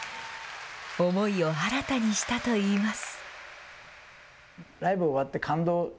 思いを新たにしたといいます。